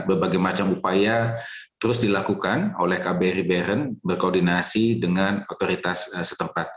bebagai macam upaya terus dilakukan oleh kb ribeiren berkoordinasi dengan otoritas setempat